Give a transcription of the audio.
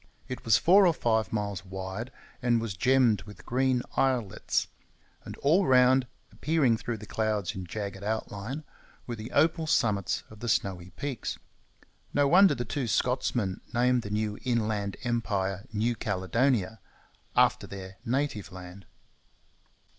It was four or five miles wide, and was gemmed with green islets; and all round, appearing through the clouds in jagged outline, were the opal summits of the snowy peaks. No wonder the two Scotsmen named the new inland empire New Caledonia after their native land.